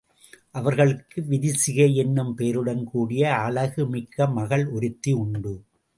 அவர்களுக்கு விரிசிகை என்னும் பெயருடன் கூடிய அழகு மிக்க மகள் ஒருத்தி உண்டு.